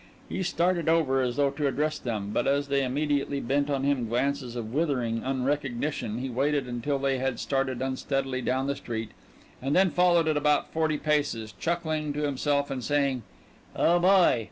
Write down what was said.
He started over as though to address them, but as they immediately bent on him glances of withering unrecognition, he waited until they had started unsteadily down the street, and then followed at about forty paces, chuckling to himself and saying, "Oh, boy!"